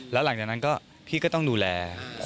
แล้วหลังจากนั้นก็พี่ก็ต้องดูแล